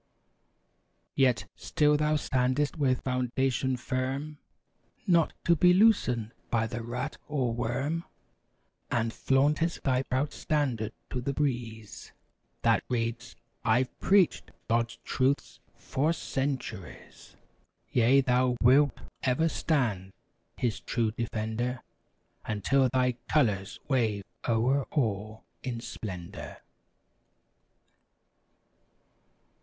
Yet, still thou standest with foundation firm, Not to be loosened by the rat or worm; And flauntest thy proud Standard to the breeze That reads: "I've preached God's truths for cen¬ turies!" Yea! thou wilt ever stand. His true defender. Until thy colors wave o'er all in splendor.